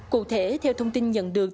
cụ thể theo thông tin nhận được